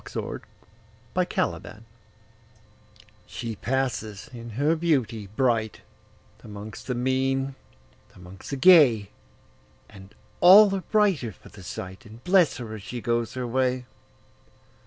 1840 The Secret SHE passes in her beauty brightAmongst the mean, amongst the gay, And all are brighter for the sight, And bless her as she goes her way.